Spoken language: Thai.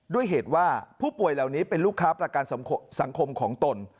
ด้วยเหตุว่าผู้ป่วยเหล่านี้เป็นลูกค้าประกันสังคมของตน